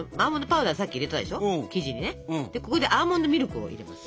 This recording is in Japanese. ここでアーモンドミルクを入れます。